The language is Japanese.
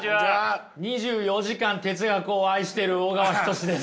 ２４時間哲学を愛している小川仁志です。